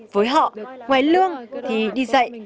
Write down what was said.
với họ ngoài lương thì đi dạy